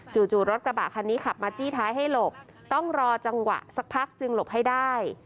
จู่รถกระบะคันนี้ขับมาจี้ท้ายให้หลบต้องรอจังหวะสักพักจึงหลบให้ได้